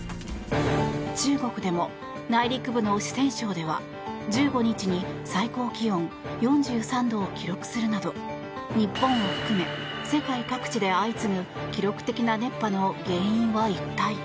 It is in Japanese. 中国でも内陸部の四川省では１５日に最高気温４３度を記録するなど日本を含め世界各地で相次ぐ記録的な熱波の原因は一体？